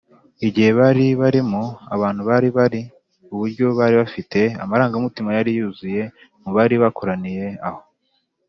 Igihe bari barimo, ahantu bari bari, uburyo bari bafite, amarangamutima yari yuzuye mu bari bakoraniye aho